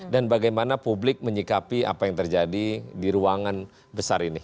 dan bagaimana publik menyikapi apa yang terjadi di ruangan besar ini